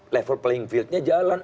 level playing fieldnya jalan